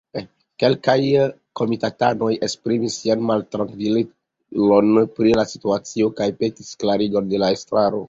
Kelkaj komitatanoj esprimis sian maltrankvilon pri la situacio kaj petis klarigon de la estraro.